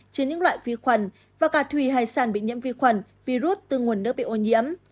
trên những loại vi khuẩn và cà thủy hải sản bị nhiễm vi khuẩn virus từ nguồn nước bị ô nhiễm